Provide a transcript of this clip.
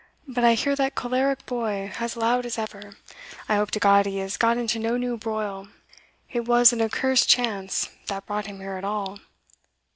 But I hear that choleric boy as loud as ever. I hope to God he has got into no new broil! it was an accursed chance that brought him here at all."